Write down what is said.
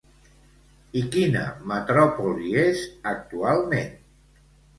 I quina metròpoli és actualment?